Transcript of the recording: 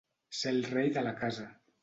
Ser el rei de la casa.